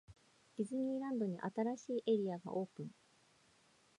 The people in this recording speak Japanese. ディズニーランドに、新しいエリアがオープン!!